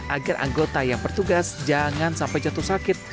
agar anggota yang bertugas jangan sampai jatuh sakit